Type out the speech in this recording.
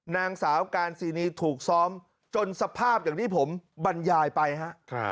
นางสาวการซีนีถูกซ้อมจนสภาพอย่างที่ผมบรรยายไปฮะ